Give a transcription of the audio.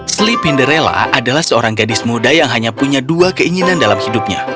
slippin' the rela adalah seorang gadis muda yang hanya punya dua keinginan dalam hidupnya